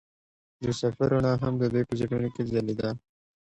د سفر رڼا هم د دوی په زړونو کې ځلېده.